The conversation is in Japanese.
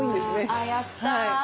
あやった。